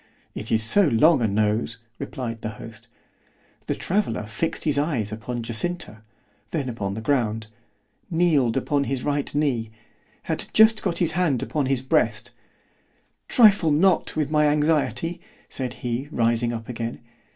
—It is so long a nose, replied the host.——The traveller fixed his eyes upon Jacinta, then upon the ground—kneeled upon his right knee—had just got his hand laid upon his breast——Trifle not with my anxiety, said he rising up again.